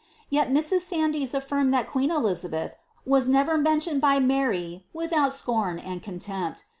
Yet Mrs. Sands affirmed that queen Elizabeth was never mentioned by Mary without scorn and contempt.'